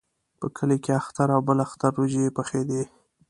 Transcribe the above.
په کلي کې اختر او بل اختر وریجې پخېدې.